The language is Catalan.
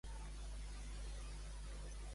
Fer-ne com una cabra cagallons.